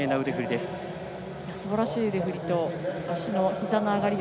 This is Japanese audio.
すばらしい腕振りと足のひざの上がり。